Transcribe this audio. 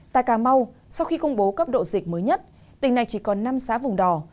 tại cà mau sau khi công bố cấp độ dịch mới nhất tỉnh này chỉ còn năm xã vùng đò